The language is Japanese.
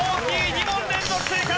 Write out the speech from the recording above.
２問連続正解。